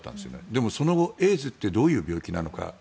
でも、その後エイズってどういう病気なのか。